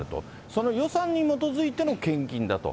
その予算に基づいての献金だと。